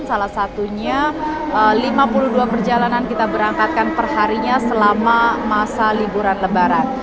salah satunya lima puluh dua perjalanan kita berangkatkan perharinya selama masa liburan lebaran